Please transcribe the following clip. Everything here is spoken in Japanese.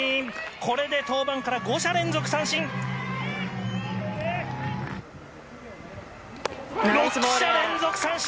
これで登板から５者連続三振。